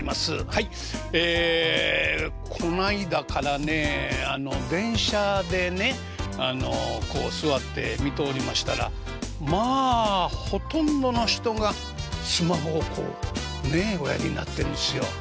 はいええこないだからねあの電車でね座って見ておりましたらまあほとんどの人がスマホをこうおやりになってるんですよ。